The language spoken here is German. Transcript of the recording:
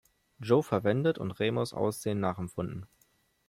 Joe verwendet und Remus' Aussehen nachempfunden.